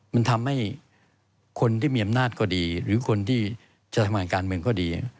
มันทำให้คนที่มีอำนาจก็ดีหรือคนที่จะทำงานการเมืองก็ดี